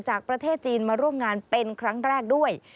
จากประเทศจีนมาร่วมงานเป็นครั้งแรกด้วย